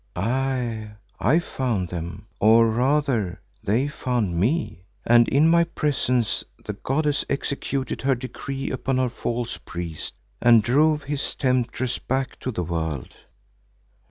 "Aye, I found them, or rather they found me, and in my presence the goddess executed her decree upon her false priest and drove his temptress back to the world."